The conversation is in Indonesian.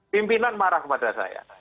pimpinan marah kepada saya